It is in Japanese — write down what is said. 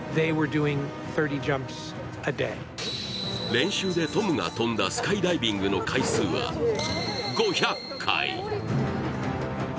練習でトムが飛んだスカイダイビングの回数は５００回。